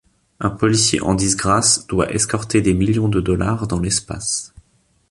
Un policier en disgrâce doit escorter des millions de dollars dans l’Espace.